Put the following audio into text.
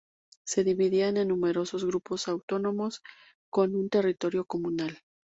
Se dividían en numerosos grupos autónomos, con un territorio comunal.